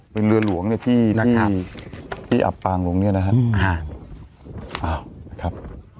เป็นเรือหลวงที่อับปางลงเนี่ยนะครับอ้าวครับ